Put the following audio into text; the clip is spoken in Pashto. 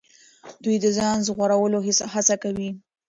دوی د ځان ژغورلو هڅه کوي.